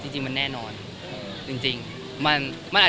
ครับครับครับครับครับครับครับครับครับครับครับครับครับครับ